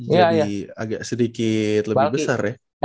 jadi agak sedikit lebih besar ya